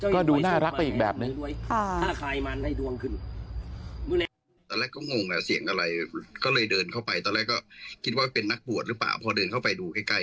ก็ดูน่ารักอีกแบบไปเลยเดินเข้าไปเดินเข้าไปโดนภาษา